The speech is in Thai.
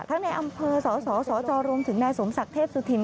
ทั้งในอำเภอสสสจรถึงนายสมศักดิ์เทพสุธิม